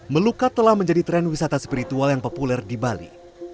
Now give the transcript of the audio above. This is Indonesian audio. melukat telah menjadi tren wisata spiritual yang populer di bali